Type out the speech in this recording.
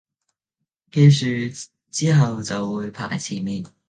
記住之後就會排前面